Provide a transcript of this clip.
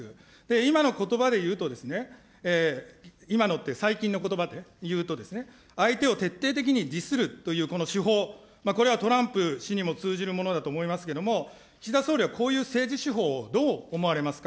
今のことばで言うと、今のって、最近のことばで言うと、相手を徹底的にディスるという、この手法、これはトランプ氏にも通じるものだと思いますけど、岸田総理はこういう政治手法をどう思われますか。